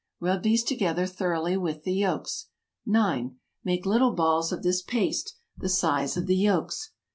Rub these together thoroughly with the yolks. 9. Make little balls of this paste, the size of the yolks.